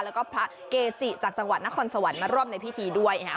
แล้วก็พระเกจิจากจังหวัดนครสวรรค์มาร่วมในพิธีด้วยนะครับ